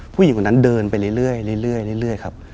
ผู้หญิงคนนั้นเดินไปเรื่อยครับ